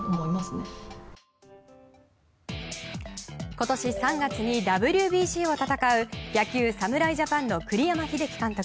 今年３月にＷＢＣを戦う野球・侍ジャパンの栗山英樹監督。